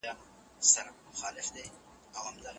څوک په هر ډول شرایطو کي خپله هیله او انګېزه ساتي؟